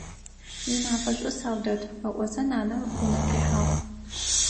Уимафэ шӀу, Саудэт! – ыӀозэ нанэ унэм къихьагъ.